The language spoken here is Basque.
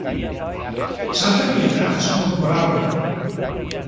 Sanferminetan jasoko du golardoa.